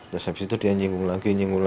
terus habis itu dia nyinggung lagi nyinggung lagi